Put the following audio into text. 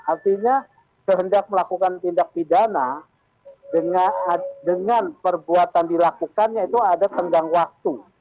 artinya kehendak melakukan tindak pidana dengan perbuatan dilakukan yaitu ada tenggang waktu